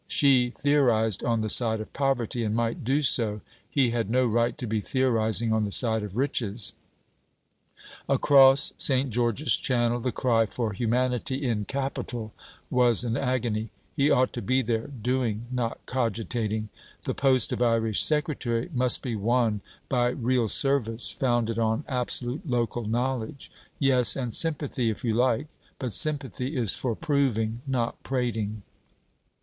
She theorized on the side of poverty, and might do so: he had no right to be theorizing on the side of riches. Across St. George's Channel, the cry for humanity in Capital was an agony. He ought to be there, doing, not cogitating. The post of Irish Secretary must be won by real service founded on absolute local knowledge. Yes, and sympathy, if you like; but sympathy is for proving, not prating....